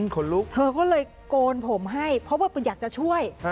ขนลุกเธอก็เลยโกนผมให้เพราะว่าอยากจะช่วย